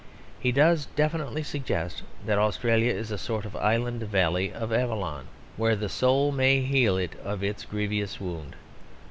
He does definitely suggest that Australia is a sort of island Valley of Avalon, where the soul may heal it of its grievous wound.